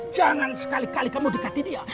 jangan sekali kali kamu dekati dia